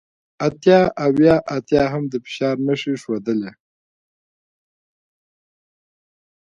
اتیا اوه اتیا هم د فشار نښې ښودلې